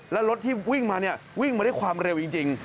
แล้วรถที่วิ่งมาเนี่ยวิ่งมาด้วยความเร็วจริง